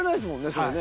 それね。